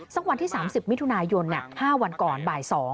วันที่๓๐มิถุนายน๕วันก่อนบ่าย๒